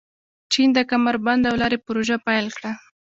چین د کمربند او لارې پروژه پیل کړه.